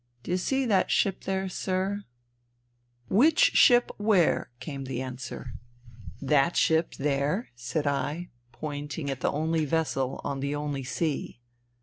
" Do you see that ship there, sir ?" Which ship where ?" came the answer. " That ship there,'' said I, pointing at the only vessel on the only sea.